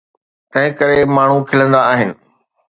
تنهنڪري ماڻهو کلندا آهن.